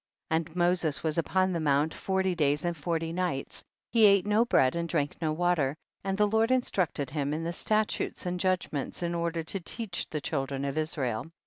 9. And Moses was upon tlie mount forty days and forty nights ; he ate no bread and drank no water, and the Lord instructed him in the statutes and judgments in order to teach the children of Israel.